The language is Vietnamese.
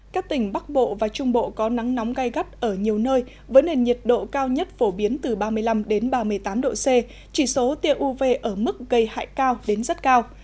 các tỉnh bắc bộ và trung bộ có nắng nóng gai gắt ở nhiều nơi với nền nhiệt độ cao nhất phổ biến từ ba mươi năm ba mươi tám độ c chỉ số tiện uv ở mức gây hại cao đến rất cao